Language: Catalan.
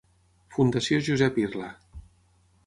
Fundació Josep Irla.